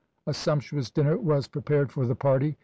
A sumptuous dinner was pre pared for the party.